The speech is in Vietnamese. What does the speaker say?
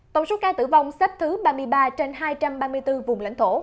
tổng số ca tử vong xếp thứ ba mươi ba trên hai trăm ba mươi bốn vùng lãnh thổ